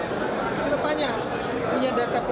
atau sumber pertama yang mengetahui